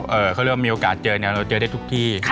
เขาเรียกว่ามีโอกาสเจอเนี่ยเราเจอได้ทุกที่